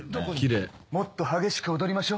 もっと激しく踊りましょ。